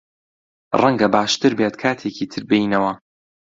ڕەنگە باشتر بێت کاتێکی تر بێینەوە.